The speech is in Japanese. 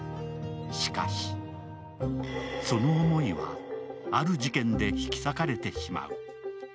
しかし、その思いはある事件で引き裂かれてしまう。